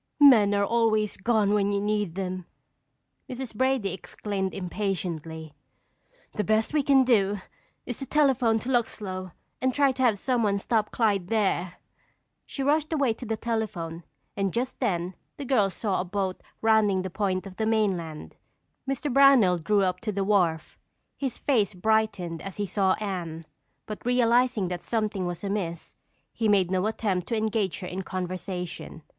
"Men are always gone when you need them!" Mrs. Brady exclaimed impatiently. "The best we can do is to telephone to Luxlow and try to have someone stop Clyde there." She rushed away to the telephone and just then the girls saw a boat rounding the point of the mainland. Mr. Brownell drew up to the wharf. His face brightened as he saw Anne, but realizing that something was amiss, he made no attempt to engage her in conversation.